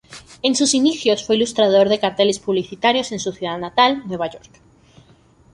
En sus inicios fue ilustrador de carteles publicitarios en su ciudad natal, Nueva York.